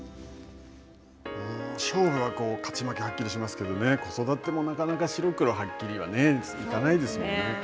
勝負は勝ち負けがはっきりしますけど、子育ても、なかなか白黒はっきりはねいかないですもんね。